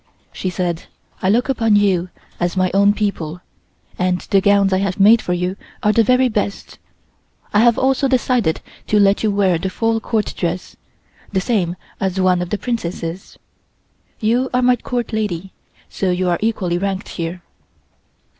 She said: "I look upon you as my own people, and the gowns I have made for you are the very best. I have also decided to let you wear the full Court dress, the same as one of the Princesses. You are my Court lady, so you are equally ranked here."